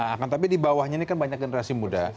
akan tapi di bawahnya ini kan banyak generasi muda